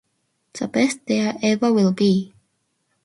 The best there ever will be.